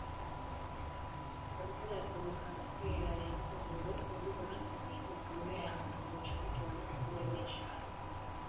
Baada ya Jamhuri ya KiJamuhuri ya Jamuhuri ya Demokrasia ya Kongo kuingizwa rasmi katika Jumuiya ya Afrika Mashariki wafanyabiashara na